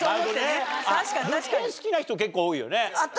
物件好きな人結構多いよね。